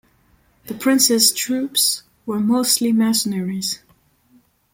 The Princes' troops were mostly mercenaries.